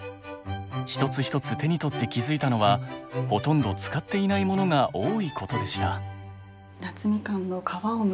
一つ一つ手に取って気づいたのはほとんど使っていないものが多いことでした。